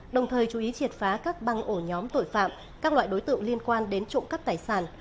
đồng thời chú ý triệt phá các băng ổ nhóm tội phạm các loại đối tượng liên quan đến trộm cắp tài sản